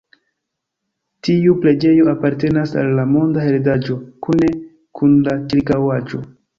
Tiu preĝejo apartenas al la Monda Heredaĵo kune kun la ĉirkaŭaĵo.